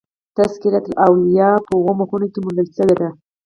تذکرة الاولیاء" په اوو مخونو کښي موندل سوى دئ.